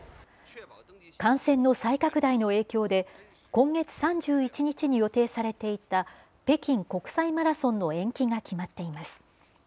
感染の再拡大の影響で、今月３１日に予定されていた、北京国際マラソンの延期が決まっています。